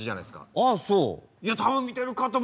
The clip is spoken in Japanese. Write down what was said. あっそう。